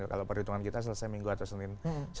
kalau perhitungan kita selesai minggu atau senin